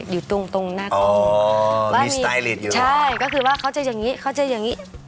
อยู่ตรงหน้าตรงบ้านนี้ใช่ก็คือว่าเขาจะอย่างนี้เขาจะอย่างนี้